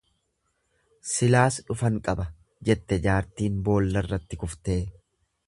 """Silaas dhufan qaba"" jette jaartiin boollarratti kuftee."